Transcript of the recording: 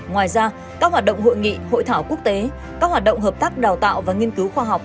ngoài ra các hoạt động hội nghị hội thảo quốc tế các hoạt động hợp tác đào tạo và nghiên cứu khoa học